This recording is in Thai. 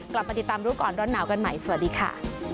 กลับมาติดตามรู้ก่อนร้อนหนาวกันใหม่สวัสดีค่ะ